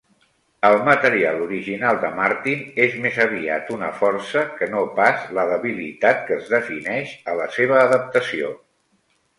El material original de Martin és més aviat una força que no pas la debilitat que es defineix a la seva adaptació.